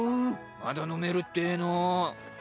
まだ飲めるってぇの。